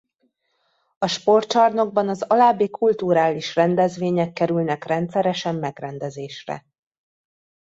A sportcsarnokban az alábbi kulturális rendezvények kerülnek rendszeresen megrendezésre.